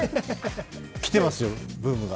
きてますよ、ブームが。